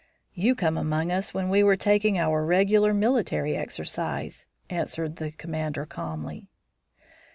"You come among us when we are taking our regular military exercise," answered the commander calmly.